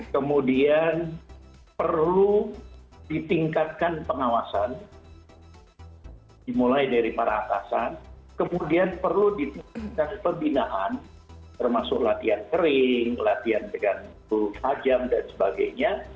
kemudian perlu ditingkatkan pengawasan dimulai dari para atasan kemudian perlu ditingkatkan pembinaan termasuk latihan kering latihan dengan tajam dan sebagainya